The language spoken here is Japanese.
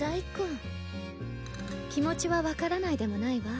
気持ちは分からないでもないわ